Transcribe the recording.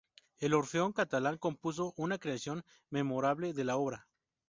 El Orfeón Catalán compuso una creación memorable de la obra.